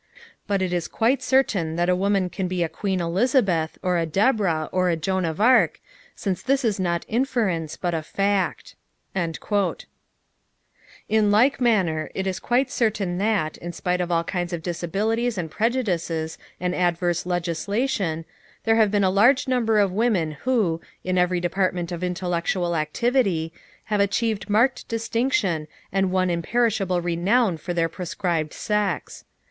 But it is quite certain that a woman can be a Queen Elizabeth or a Deborah or a Joan of Arc, since this is not inference but a fact." In like manner it is quite certain that, in spite of all kinds of disabilities and prejudices and adverse legislation, there have been a large number of women who, in every department of intellectual activity, have achieved marked distinction and won imperishable renown for their proscribed sex.